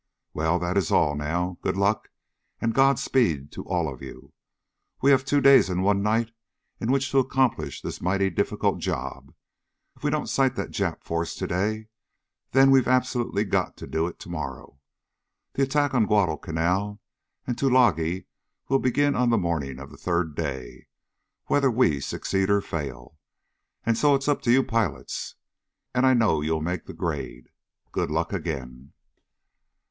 Well, that is all, now. Good luck, and Godspeed to all of you. We have two days and one night in which to accomplish this mighty difficult job. If we don't sight that Jap force today, then we've absolutely got to do it tomorrow. The attack on Guadalcanal and Tulagi will begin on the morning of the third day whether we succeed, or fail. And so it's up to you pilots. And I know you'll make the grade. Good luck, again."